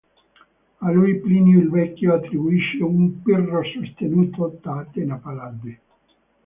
A lui Plinio il Vecchio attribuisce un "Pirro sostenuto da Atena Pallade".